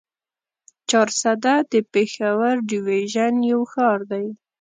چارسده د پېښور ډويژن يو ښار دی.